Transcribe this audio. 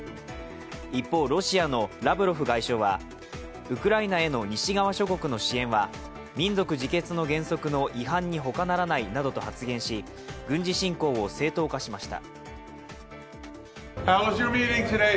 一方、ロシアのラブロフ外相はウクライナへの西側諸国の支援は、民族自決の原則の違反にほかならないなどと発言し軍事侵攻を正当化しました。